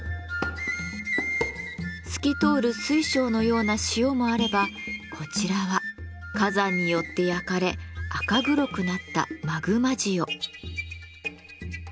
透き通る水晶のような塩もあればこちらは火山によって焼かれ赤黒くなった「マグマ塩」。